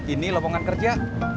ini lowongan kerja